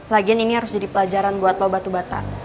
lagian ini harus jadi pelajaran buat loba batu bata